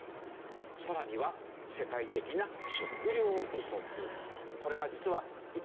さらには世界的な食料不足。